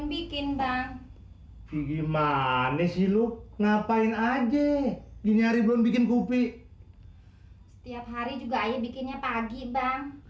bikin bang gimana sih lo ngapain aja dinyari belum bikin kupi setiap hari juga ayah bikinnya pagi bang